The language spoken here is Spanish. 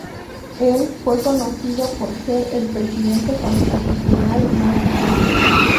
Él fue conocido por ser el presidente constitucional más honesto.